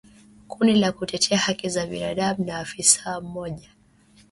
Kundi la kutetea haki za binadamu na afisa mmoja